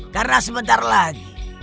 karena sebentar lagi